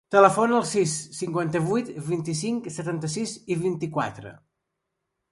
Telefona al sis, cinquanta-vuit, vint-i-cinc, setanta-sis, vint-i-quatre.